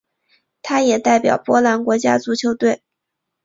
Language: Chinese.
他也代表波兰国家足球队。